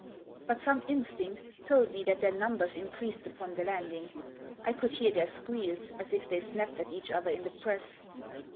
But some instinct told me that their numbers increased upon the landing. I could hear their squeals, as if they snapped at each other in the press.